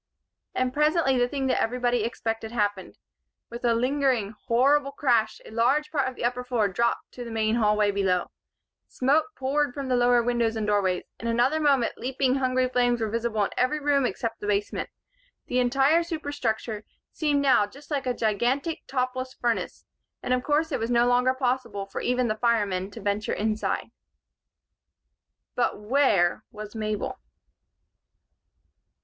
And presently the thing that everybody expected happened. With a lingering, horrible crash a large part of the upper floor dropped to the main hall below. Smoke poured from the lower doors and windows. In another moment leaping hungry flames were visible in every room except the basement. The entire superstructure seemed now just like a gigantic, topless furnace; and of course it was no longer possible for even the firemen to venture inside. But where was Mabel?